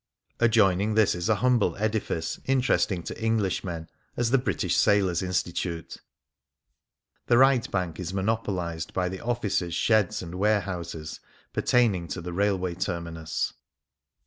Adjoining this is a humble edifice interesting to English men as the British Sailors' Institute. The right bank is monopolized by the offices, sheds, and warehouses pertaining to the railway terminus.